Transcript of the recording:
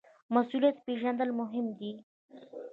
مسوولیت پیژندل مهم دي